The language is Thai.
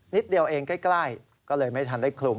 นิดเดียวเองใกล้ก็เลยไม่ทันได้คลุม